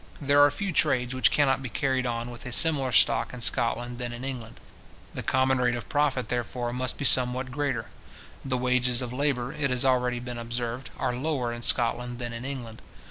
There are few trades which cannot be carried on with a smaller stock in Scotland than in England. The common rate of profit, therefore, must be somewhat greater. The wages of labour, it has already been observed, are lower in Scotland than in England.